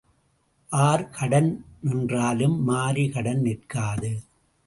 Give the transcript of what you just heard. R கடன் நின்றாலும் மாரி கடன் நிற்காது.